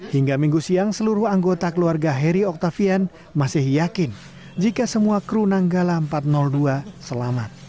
hingga minggu siang seluruh anggota keluarga heri oktavian masih yakin jika semua kru nanggala empat ratus dua selamat